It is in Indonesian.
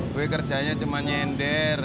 gue kerjanya cuma nyender